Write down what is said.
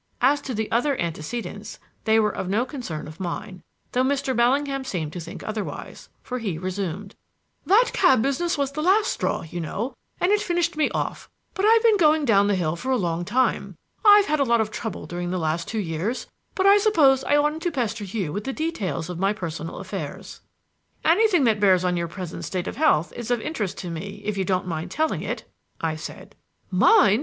As to the other antecedents, they were of no concern of mine, though Mr. Bellingham seemed to think otherwise, for he resumed: "That cab business was the last straw, you know, and it finished me off, but I have been going down the hill for a long time. I've had a lot of trouble during the last two years. But I suppose I oughtn't to pester you with the details of my personal affairs." "Anything that bears on your present state of health is of interest to me if you don't mind telling it," I said. "Mind!"